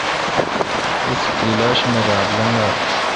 اس کلاش می اس رات لیگلا۔